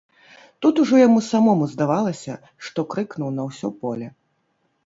Тут ужо яму самому здавалася, што крыкнуў на ўсё поле.